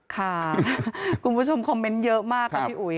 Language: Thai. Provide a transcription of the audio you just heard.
คุณผู้ชมคอมเมนต์เยอะมากค่ะพี่อุ๋ย